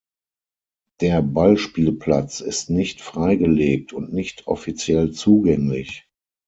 Der Ballspielplatz ist nicht freigelegt und nicht offiziell zugänglich.